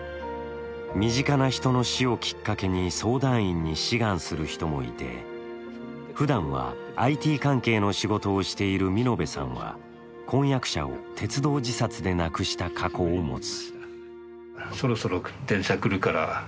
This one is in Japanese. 身近な人の死をきっかけに相談員に志願する人もいてふだんは、ＩＴ関係の仕事をしている美濃部さんは婚約者を鉄道自殺で亡くした過去を持つ。